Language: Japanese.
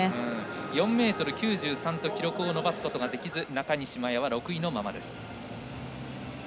４ｍ９３と記録を伸ばすことができず中西麻耶、６位のままです。